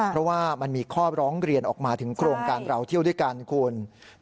เพราะว่ามันมีข้อร้องเรียนออกมาถึงโครงการเราเที่ยวด้วยกันคุณ